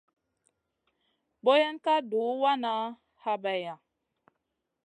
Boyen ka duh wa habayna.